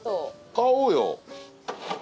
買おうよ。